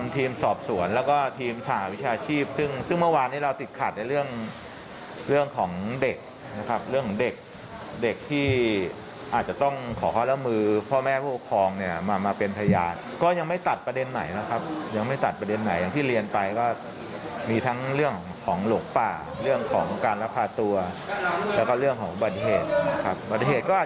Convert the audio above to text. ทีมสอบสวนแล้วก็ทีมสหวิชาชีพซึ่งเมื่อวานนี้เราติดขัดในเรื่องของเด็กนะครับเรื่องของเด็กเด็กที่อาจจะต้องขอความร่วมมือพ่อแม่ผู้ปกครองเนี่ยมามาเป็นพยานก็ยังไม่ตัดประเด็นไหนนะครับยังไม่ตัดประเด็นไหนอย่างที่เรียนไปก็มีทั้งเรื่องของหลงป่าเรื่องของการรักพาตัวแล้วก็เรื่องของอุบัติเหตุนะครับ